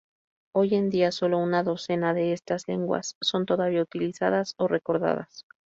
Hoy en día, sólo una docena de estas lenguas son todavía utilizadas o recordadas.